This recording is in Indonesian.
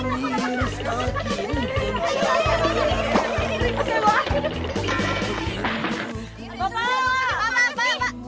bapak apaan sih